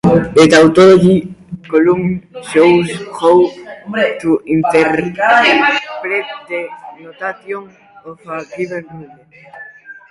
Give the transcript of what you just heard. The "Tautology" column shows how to interpret the notation of a given rule.